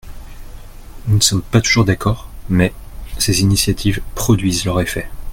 Nous ne sommes pas toujours d’accord, mais, ses initiatives produisent leurs effets.